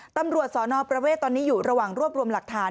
ตำรวจสนประเวทตอนนี้อยู่ระหว่างรวบรวมหลักฐาน